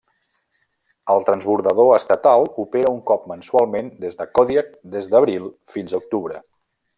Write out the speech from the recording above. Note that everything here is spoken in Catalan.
El transbordador estatal opera un cop mensualment des de Kodiak des d'abril fins a octubre.